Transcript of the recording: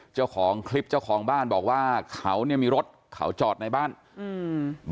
เจ้าของคลิปเจ้าของบ้านบอกว่าเขาเนี่ยมีรถเขาจอดในบ้านอืม